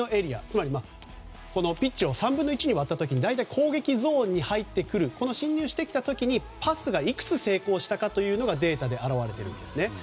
つまり、ピッチを３分の１に割った時に大体攻撃ゾーンに入ってくる進入してきた時にパスがいくつ成功したかがデータで表れてるんですね。